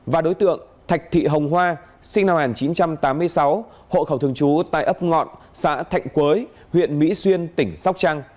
và đối tượng thạch thị hồng hoa sinh năm một nghìn chín trăm tám mươi sáu hộ khẩu thường trú tại ấp ngọn xã thạnh quới huyện mỹ xuyên tỉnh sóc trăng